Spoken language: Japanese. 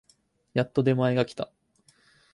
やっと出前が来た